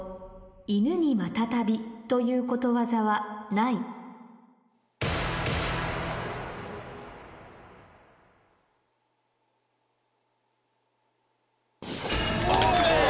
「犬にまたたび」ということわざはない危ねぇ！